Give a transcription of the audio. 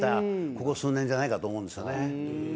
ここ数年じゃないかと思うんです。